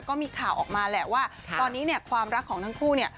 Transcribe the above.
ก็มีข่าวออกมาแหละว่าตอนนี้เนี่ยความรักของทั้งคู่เนี่ย